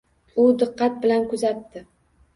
U diqqat bilan kuzatdi.